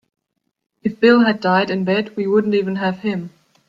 If Bill had died in bed we wouldn't even have him.